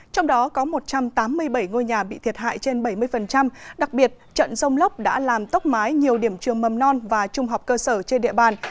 trong đó có một trăm tám mươi bảy ngôi nhà bị thiệt hại trên bảy mươi đặc biệt trận rông lốc đã làm tốc mái nhiều điểm trường mầm non và trung học cơ sở trên địa bàn